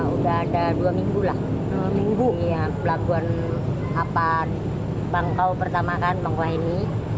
udah ada dua minggu lah minggu pelabuhan bangkau pertama kan bangka ini